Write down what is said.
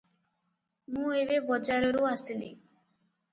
ମୁଁ ଏବେ ବଜାର ରୁ ଆସିଲି